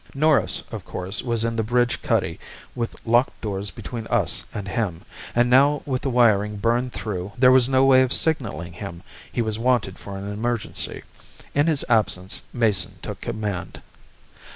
Norris, of course, was in the bridge cuddy with locked doors between us and him, and now with the wiring burned through there was no way of signalling him he was wanted for an emergency. In his absence Mason took command.